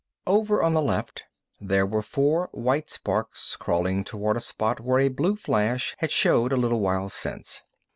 Over at the left, there were four white sparks crawling toward a spot where a blue flash had showed a little while since.